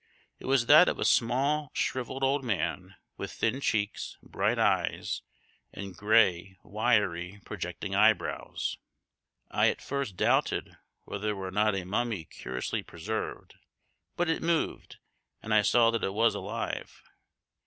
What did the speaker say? It was that of a small, shrivelled old man with thin cheeks, bright eyes, and gray, wiry, projecting eyebrows. I at first doubted whether it were not a mummy curiously preserved, but it moved, and I saw that it was alive.